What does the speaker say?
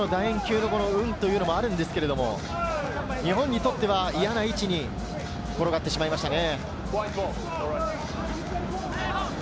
ボールの楕円形の運もあるんですが、日本にとっては嫌な位置に転がってしまいましたね。